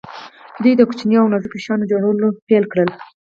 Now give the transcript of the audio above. دوی د کوچنیو او نازکو شیانو جوړول پیل کړل.